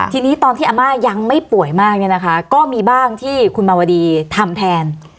ทีนี้ตอนที่อาม่ายังไม่ป่วยมากเนี่ยนะคะก็มีบ้างที่คุณมาวดีทำแทน